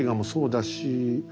だし